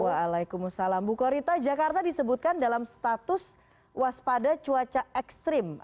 waalaikumsalam bu korita jakarta disebutkan dalam status waspada cuaca ekstrim